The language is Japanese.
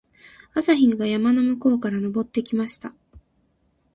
朝日が山の向こうから昇ってきました。